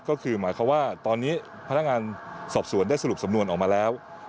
ก็คือหมายความว่าตอนนี้พนักงานสอบสวนได้สรุปสำนวนออกมาแล้ว